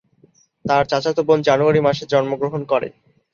তার চাচাতো বোন জানুয়ারি মাসে জন্মগ্রহণ করে।